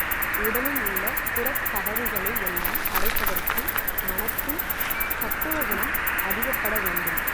உடலில் உள்ள புறக் கதவுகளை எல்லாம் அடைப்பதற்கு மனத்தில் சத்துவகுணம் அதிகப்பட வேண்டும்.